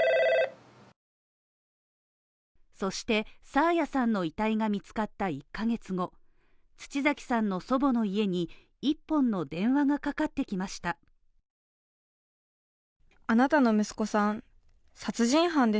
そして爽彩さんの遺体が見つかった１カ月後、土崎さんの祖母の家に１本の電話がかかってきました。